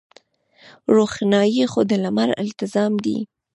روښنايي خو د لمر التزام دی.